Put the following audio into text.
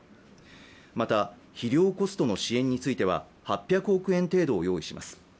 また、肥料コストの支援については８００億円程度を用意します。